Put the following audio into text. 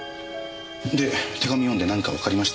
で手紙読んで何かわかりました？